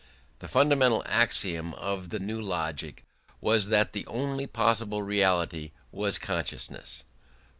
The fundamental axiom of the new logic was that the only possible reality was consciousness.